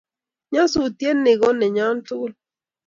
nyasutyet ni ko nenyo tugul